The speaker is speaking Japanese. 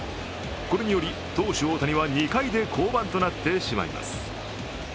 これにより投手・大谷は２回で降板となってしまいます。